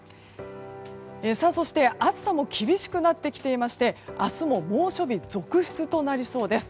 そして、暑さも厳しくなってきていまして明日も猛暑日続出となりそうです。